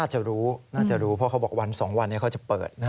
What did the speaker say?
จะรู้น่าจะรู้เพราะเขาบอกวัน๒วันเขาจะเปิด